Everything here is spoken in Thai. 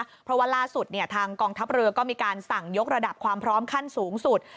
เพราะว่าล่าสุดทางกองทัพเรือก็มีการสั่งยกระดับความพร้อมขั้นสูงสุด